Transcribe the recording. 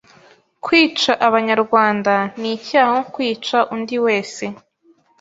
kwica Abanyarwanda nicyaha nko kwica undi wese